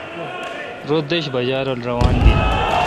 رو دش باجہ رل روان بین۔